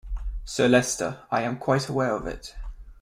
Sir Leicester, I am quite aware of it.